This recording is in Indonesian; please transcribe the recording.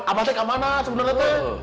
abah teh kemana sebenarnya teh